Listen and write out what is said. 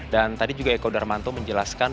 dan tadi juga eko darmanto menjelaskan